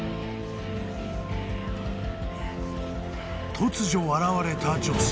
［突如現れた女性］